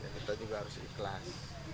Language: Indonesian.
kita juga harus ikhlas